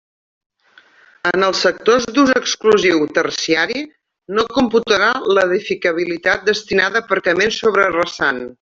En els sectors d'ús exclusiu terciari, no computarà l'edificabilitat destinada a aparcaments sobre rasant.